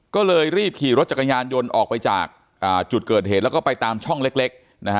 ก็เลยรีบขี่รถจักรยานยนต์ออกไปจากจุดเกิดเหตุแล้วก็ไปตามช่องเล็ก